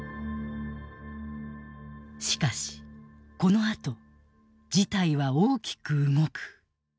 しかしこのあと事態は大きく動く。